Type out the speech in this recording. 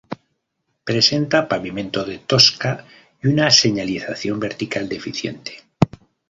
Presenta pavimento de tosca y una señalización vertical deficiente.